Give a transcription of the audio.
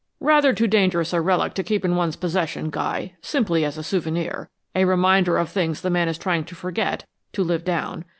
"Rather too dangerous a relic to keep in one's possession, Guy, simply as a souvenir a reminder of things the man is trying to forget, to live down.